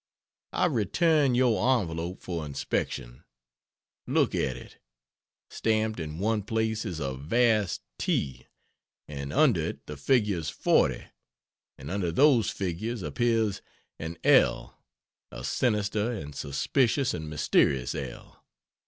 I return your envelope for inspection. Look at it. Stamped in one place is a vast "T," and under it the figures "40," and under those figures appears an "L," a sinister and suspicious and mysterious L.